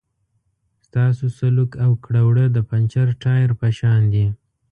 ستاسو سلوک او کړه وړه د پنچر ټایر په شان دي.